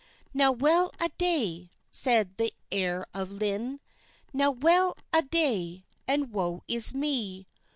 "Now well a day!" said the heire of Lynne, "Now well a day, and woe is mee!